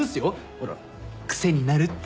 ほら癖になるって。